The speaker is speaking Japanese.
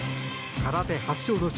空手発祥の地